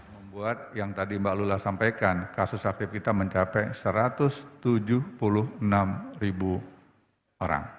membuat yang tadi mbak lula sampaikan kasus aktif kita mencapai satu ratus tujuh puluh enam ribu orang